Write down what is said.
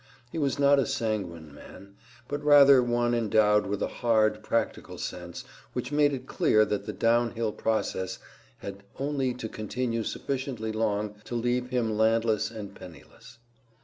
He was not a sanguine man, but rather one endowed with a hard, practical sense which made it clear that the down hill process had only to continue sufficiently long to leave him landless and penniless.